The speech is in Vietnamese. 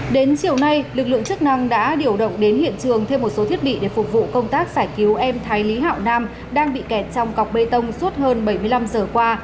đến chiều nay lực lượng chức năng đã điều động đến hiện trường thêm một số thiết bị để phục vụ công tác giải cứu em thái lý hạo nam đang bị kẹt trong cọc bê tông suốt hơn bảy mươi năm giờ qua